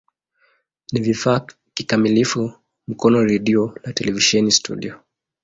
Ni vifaa kikamilifu Mkono redio na televisheni studio.